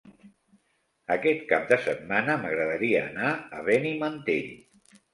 Aquest cap de setmana m'agradaria anar a Benimantell.